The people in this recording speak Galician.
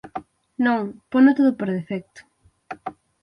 Non, pono todo por defecto.